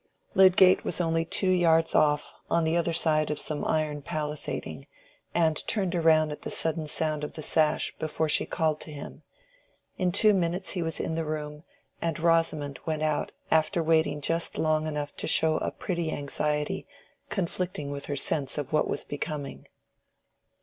Lydgate was only two yards off on the other side of some iron palisading, and turned round at the sudden sound of the sash, before she called to him. In two minutes he was in the room, and Rosamond went out, after waiting just long enough to show a pretty anxiety conflicting with her sense of what was becoming.